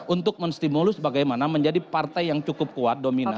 untuk menstimulus bagaimana menjadi partai yang cukup kuat